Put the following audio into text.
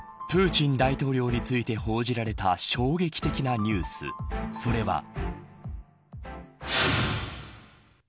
プーチン大統領について報じられた、衝撃的なニュースそれは。